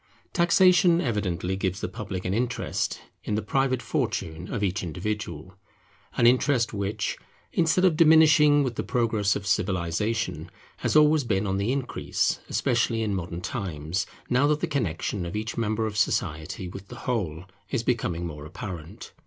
Taxation evidently gives the public an interest in the private fortune of each individual; an interest which, instead of diminishing with the progress of civilization, has been always on the increase, especially in modern times, now that the connexion of each member of society with the whole is becoming more apparent.